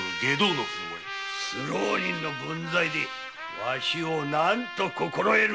素浪人の分際でわしを何と心得る！